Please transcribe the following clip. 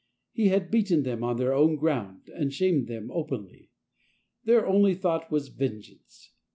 He had beaten them on their own ground and shamed them openly; their only thought was vengeance.